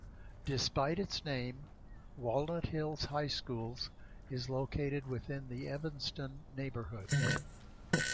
Despite its name, Walnut Hills High Schools is located within the Evanston neighborhood.